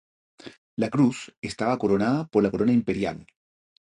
La cruz estaba coronada por la corona imperial.